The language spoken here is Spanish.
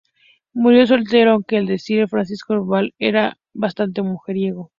Murió soltero, aunque, al decir de Francisco Umbral, era bastante mujeriego.